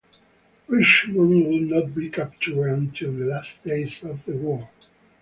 Richmond would not be captured until the last days of the war.